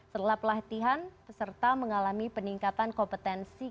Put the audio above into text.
setelah pelatihan peserta mengalami peningkatan kompetensi